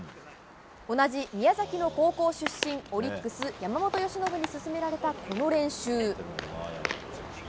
同じ宮崎の高校出身オリックス、山本由伸に勧められた、この練習。